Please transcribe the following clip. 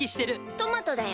トマトだよ。